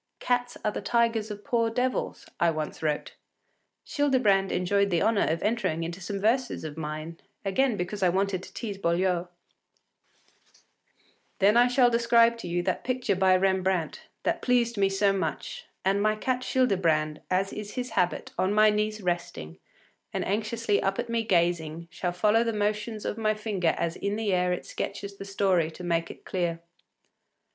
“Cats are the tigers of poor devils,” I once wrote. Childebrand enjoyed the honour of entering into some verses of mine, again because I wanted to tease Boileau: “Then shall I describe to you that picture by Rembrandt, that pleased me so much; and my cat Childebrand, as is his habit, on my knees resting, and anxiously up at me gazing, shall follow the motions of my finger as in the air it sketches the story to make it clear.